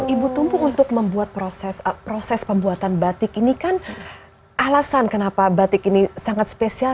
ibu tumpu untuk membuat proses pembuatan batik ini kan alasan kenapa batik ini sangat spesial